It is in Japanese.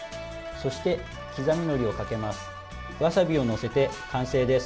そして、刻みのりをかけます。